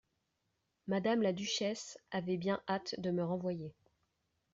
Madame la duchesse avait bien hâte de me renvoyer.